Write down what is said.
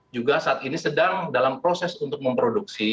juga saat ini sedang dalam proses untuk memproduksi